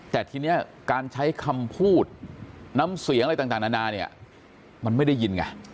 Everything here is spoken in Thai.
แต่ทีนี้การใช้คำพูดน้ำเสียงอะไรต่างนานาเนี่ยมันไม่ได้ยินไง